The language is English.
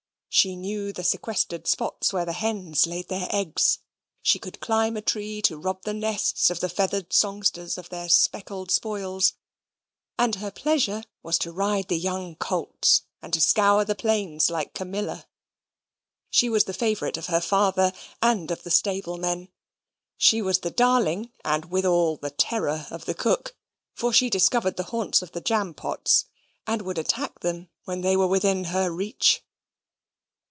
She knew the sequestered spots where the hens laid their eggs. She could climb a tree to rob the nests of the feathered songsters of their speckled spoils. And her pleasure was to ride the young colts, and to scour the plains like Camilla. She was the favourite of her father and of the stablemen. She was the darling, and withal the terror of the cook; for she discovered the haunts of the jam pots, and would attack them when they were within her reach.